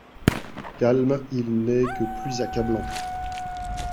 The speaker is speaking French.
Calme, il n'est que plus accablant.